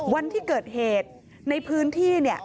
วันที่เกิดเหตุในพื้นที่เนี่ย